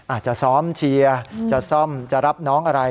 อาจจะซ้อมเชียร์จะซ่อมจะรับน้องอะไร